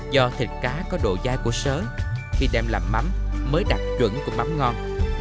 do thịt cá có độ dai của sới khi đem làm mắm mới đạt chuẩn của mắm ngon